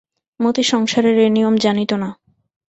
মতি সংসারের এ নিয়ম জানিত না।